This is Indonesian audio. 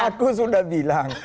aku sudah bilang